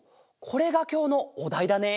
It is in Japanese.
これがきょうのおだいだね？